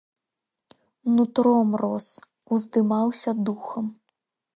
Нутром рос, уздымаўся духам.